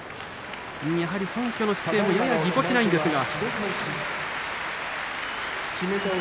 やはり、そんきょの姿勢もややぎこちないですが。